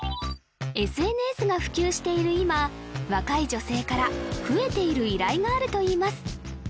ＳＮＳが普及している今若い女性から増えている依頼があるといいます